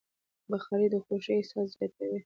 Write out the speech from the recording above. بخاري د خوښۍ احساس زیاتوي.